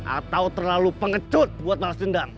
atau terlalu pengecut buat malas dendam